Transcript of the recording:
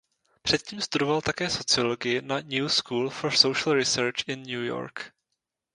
Předtím studoval také sociologii na New School for Social Research in New York.